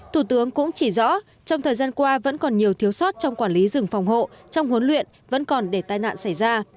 thủ tướng cũng chỉ rõ trong thời gian qua vẫn còn nhiều thiếu sót trong quản lý rừng phòng hộ trong huấn luyện vẫn còn để tai nạn xảy ra